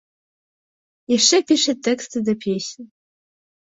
Яшчэ піша тэксты да песень.